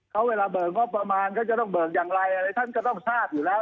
เขาเวลาเบิกงบประมาณเขาจะต้องเบิกอย่างไรอะไรท่านก็ต้องทราบอยู่แล้ว